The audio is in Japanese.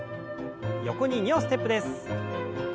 横に２歩ステップです。